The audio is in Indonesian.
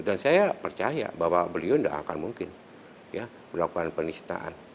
dan saya percaya bahwa beliau tidak akan mungkin ya melakukan penistaan